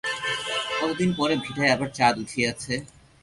কতদিন পরে ভিটায় আবার চাঁদ উঠিয়াছে।